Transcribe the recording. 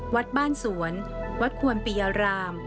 วัดบ้านสวนวัดควรปียราม